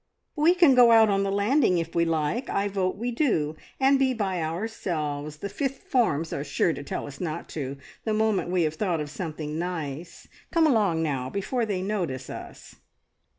"We can go out on the landing, if we like; I vote we do, and be by ourselves. The fifth forms are sure to tell us not to, the moment we have thought of something nice. Come along now, before they notice us!"